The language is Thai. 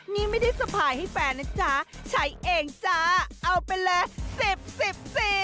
นี่ไม่ได้สะพายให้แฟนนะจ๊ะใช้เองจ้าเอาไปเลย